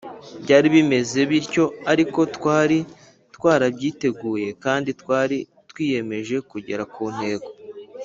Byari bimeze bityo ariko twari twarabyiteguye kandi twari twiyemeje kugera ku ntego